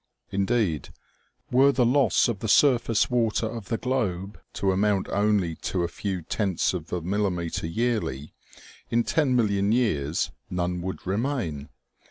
Indeed, were the loss of the surface water of the globe to amount only to a few tenths of a millimeter yearly, in ten million years none would remain.